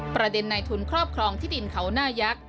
ในทุนครอบครองที่ดินเขาหน้ายักษ์